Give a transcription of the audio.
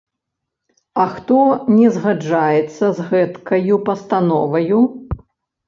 - А хто не згаджаецца з гэткаю пастановаю?